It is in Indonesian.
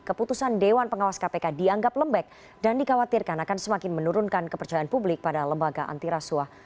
keputusan dewan pengawas kpk dianggap lembek dan dikhawatirkan akan semakin menurunkan kepercayaan publik pada lembaga antirasuah